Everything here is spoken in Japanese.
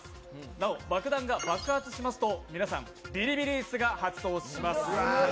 なお爆弾が爆発しますと皆さん、ビリビリ椅子が発動します